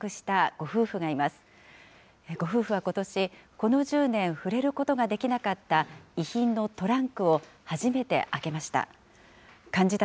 ご夫婦はことし、この１０年、触れることができなかった遺品のトランクを初めて開けました。